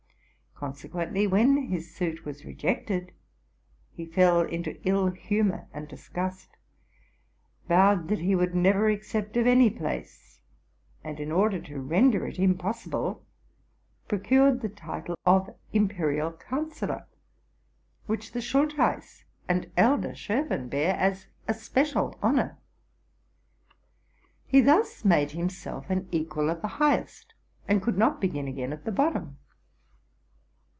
Consequently, when his suit was rejected, he fell into ill humor and disgust, vowed that he would never accept of any place, and, in order to render it impossible, procured the title of Imperial Councillor, which the Schul theiss and elder Schoffen bear as a special honor. He had thus made himself an equal of the highest, and could not begin again at the bottom.